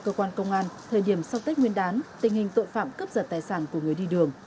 cơ quan công an thời điểm sau tết nguyên đán tình hình tội phạm cướp giật tài sản của người đi đường